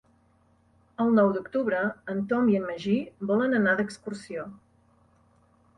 El nou d'octubre en Tom i en Magí volen anar d'excursió.